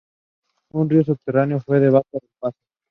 Un río subterráneo fluye debajo del paso.